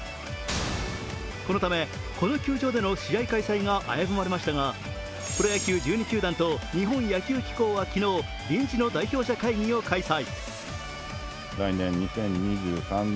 このためこの球場での試合開催が危ぶまれましたがプロ野球１２球団と日本野球機構は昨日、臨時の代表者会議を開催。